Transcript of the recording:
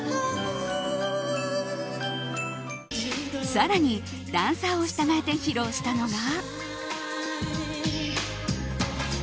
更にダンサーを従えて披露したのが。